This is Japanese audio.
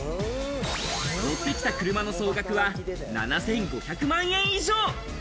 乗ってきた車の総額は７５００万円以上。